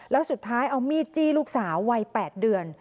แล้วสุดท้ายเอามีดจี้ลูกสาววัย๘เดือน